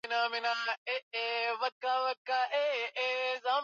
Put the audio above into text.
na mwaka elfu moja mia nane sabini